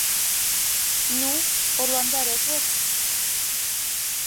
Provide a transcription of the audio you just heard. — Ну, орландарет вет!